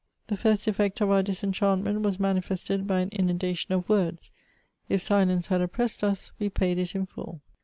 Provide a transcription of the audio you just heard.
The first effect of our disenchantment was manifested hy an inundation of words ; if silence had oppressed us, we paid it in full.